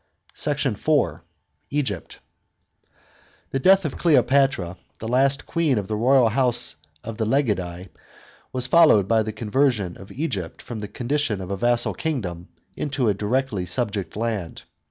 SECT. IV. — EGYPT. § 8. The death of Cleopatra, the last queen of the royal house of the Lagidse, was followed by the conversion of Egypt from the condition of a vassal kingdom into a directly subject land.